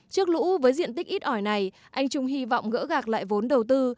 trước lũ với diện tích ít ỏi này anh trung hy vọng gỡ gạc lại vốn đầu tư